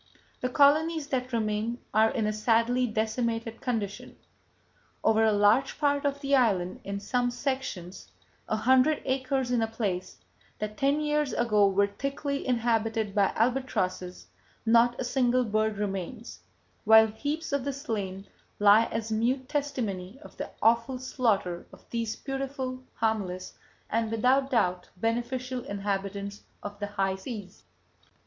The colonies that remain are in a sadly decimated condition. … Over a large part of the island, in some sections a hundred acres in a place, that ten years ago were thickly inhabited by albatrosses not a single bird remains, while heaps of the slain lie as mute testimony of the awful slaughter of these beautiful, harmless, and without doubt beneficial inhabitants of the high seas.